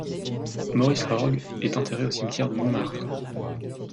Maurice Horgues est enterré au cimetière de Montmartre.